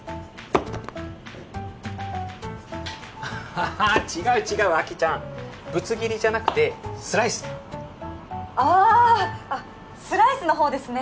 アッハハー違う違うあきちゃんぶつ切りじゃなくてスライスであああっスライスの方ですね